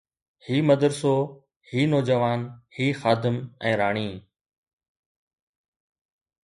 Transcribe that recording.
هي مدرسو، هي نوجوان، هي خادم ۽ راڻي